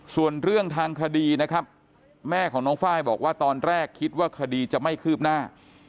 ส่วนเรื่องทางคดีนะครับแม่ของน้องไฟล์บอกว่าตอนแรกคิดว่าคดีจะไม่คืบหน้า